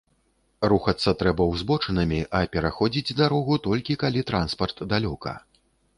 Рухацца трэба ўзбочынамі, а пераходзіць дарогу толькі калі транспарт далёка.